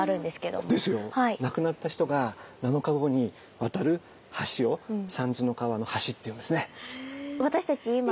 亡くなった人が７日後に渡る橋を「三途の川の橋」って言うんですね。